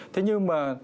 thế nhưng mà